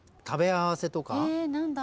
食べ合わせとか。